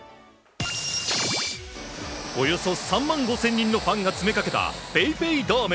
およそ３万５０００人のファンが詰めかけたＰａｙＰａｙドーム。